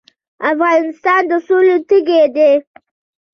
افغانستان د سولې تږی دی